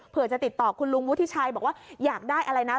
เพื่อจะติดต่อคุณลุงวุฒิชัยบอกว่าอยากได้อะไรนะ